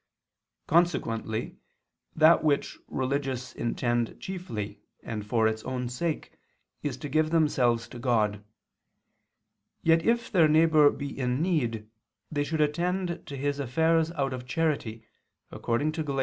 Consequently that which religious intend chiefly and for its own sake is to give themselves to God. Yet if their neighbor be in need, they should attend to his affairs out of charity, according to Gal.